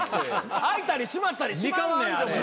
開いたり閉まったりしまんねんあれ。